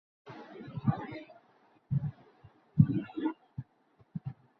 Municipal school থেকে ইংরেজিতে letter নিয়ে প্রথম বিভাগে পাস করে কলকাতা যান পড়াশোনা করতে।